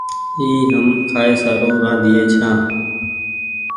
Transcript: اي هم کآئي سارو ۔